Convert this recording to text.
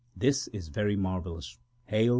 This is very marvellous. HAIL !